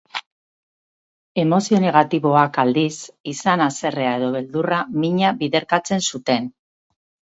Emozio negatiboak, aldiz, izan haserrea edo beldurra, mina biderkatzen zuten.